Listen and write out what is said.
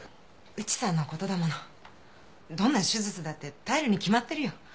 内さんのことだものどんな手術だって耐えるに決まってるよ。